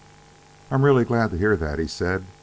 "I'm real glad to hear that," he said.